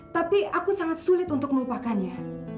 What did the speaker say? tapi aku sangat sulit untuk melupakannya